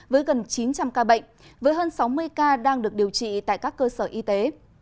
với gần chín trăm linh ca bệnh với hơn sáu mươi ca đang được điều trị tại các cơ sở y tế